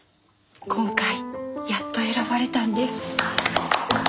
今回やっと選ばれたんです。